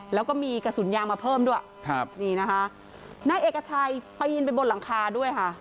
แล้วก็มีกระสุนยางมาเพิ่มด้วยน่าเอกชัยไปยินไปบนหลังคาด้วย